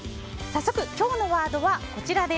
早速、今日のワードはこちら。